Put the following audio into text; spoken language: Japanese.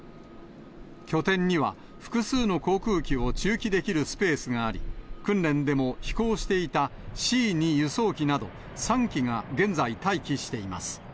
拠点には複数の航空機を駐機できるスペースがあり、訓練でも飛行していたＣー２輸送機など、３機が現在待機しています。